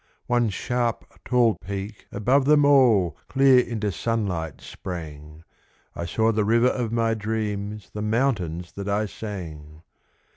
One sharp, tall peak above them all Clear into sunlight sprang I saw the river of my dreams, The mountains that I sang!